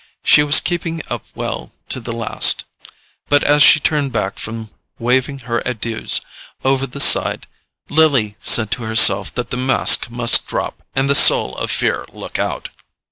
She was keeping up well to the last—but as she turned back from waving her adieux over the side, Lily said to herself that the mask must drop and the soul of fear look out.